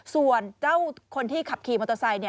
ส่วนเจ้าคนที่ขับขี่มอเตอร์ไซค์